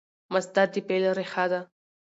مصدر د فعل ریښه ده.